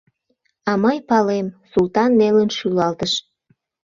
— А мый палем— Султан нелын шӱлалтыш.